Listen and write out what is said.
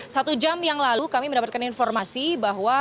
satu jam yang lalu kami mendapatkan informasi bahwa